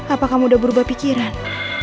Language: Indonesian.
apa kamu sudah berubah pikiran